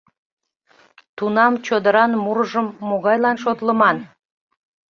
Тунам чодыран мурыжым могайлан шотлыман?